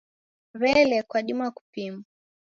W'elee, ghadima kupimwa?